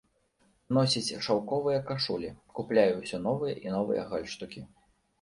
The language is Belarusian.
Носіць шаўковыя кашулі, купляе ўсё новыя і новыя гальштукі.